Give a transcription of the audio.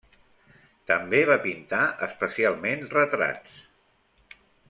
També va pintar, especialment retrats.